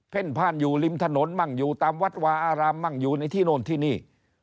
ผ่านอยู่ริมถนนมั่งอยู่ตามวัดวาอารามมั่งอยู่ในที่โน่นที่นี่